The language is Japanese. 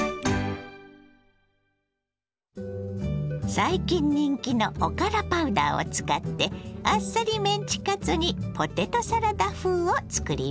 最近人気のおからパウダーを使ってあっさりメンチカツにポテトサラダ風を作ります。